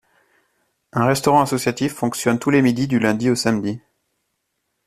Un restaurant associatif fonctionne tous les midis du lundi au samedi.